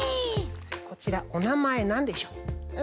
こちらおなまえなんでしょう？